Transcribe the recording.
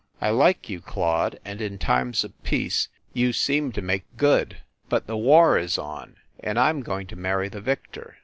I like you, Claude, and in times of peace you seem to make good. But the war is on, and I m going to marry the victor.